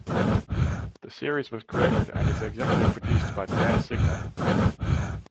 The series was created and is executive produced by Dan Signer.